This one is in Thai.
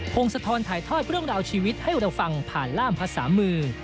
งสะทอนถ่ายทอดเรื่องราวชีวิตให้เราฟังผ่านล่ามภาษามือ